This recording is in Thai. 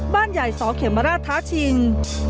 บ้านใหญ่สเขมราธาชิง